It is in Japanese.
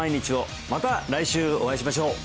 また来週お会いしましょう！